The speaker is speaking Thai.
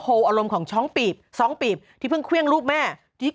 อารมณ์ของช้องปีบสองปีบที่เพิ่งเครื่องรูปแม่ที่